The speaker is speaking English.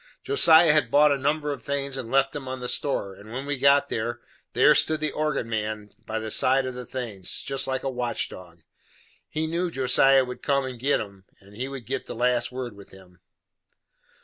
Josiah had bought a number of things and left 'em to the store, and when we got there, there stood the organ man by the side of the things, jest like a watch dog. He knew Josiah would come and git 'em, and he could git the last word with him.